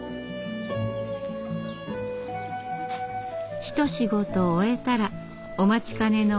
一仕事終えたらお待ちかねのお昼。